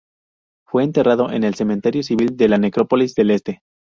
Fue enterrado en el cementerio civil de la necrópolis del Este.